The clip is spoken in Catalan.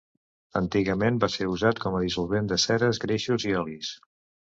Antigament va ser usat com a dissolvent de ceres, greixos i olis.